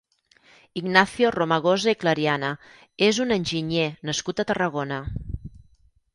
Ignacio Romagosa i Clariana és un enginyer nascut a Tarragona.